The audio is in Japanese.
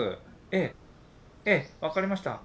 ええええ分かりました。